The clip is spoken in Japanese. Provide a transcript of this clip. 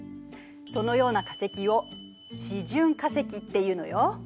そのような化石を「示準化石」っていうのよ。